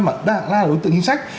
mà đa lạc ra là đối tượng chính sách